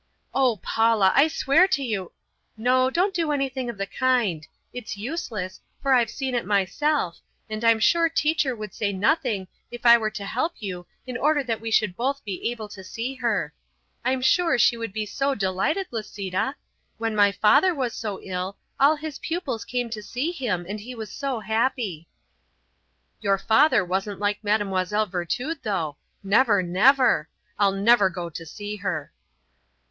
"Oh, Paula, I swear to you " "No, don't do anything of the kind. It's useless, for I've seen it myself, and I'm sure teacher would say nothing if I were to help you in order that we should both be able to see her. I'm sure she would be so delighted, Lisita. When my father was so ill, all his pupils came to see him, and he was so happy." "Your father wasn't like Mlle. Virtud though. Never! Never! I'll never go to see her."